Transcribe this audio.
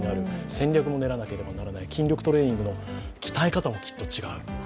戦略も練らなければならない、筋力トレーニングの鍛え方もきっと違う。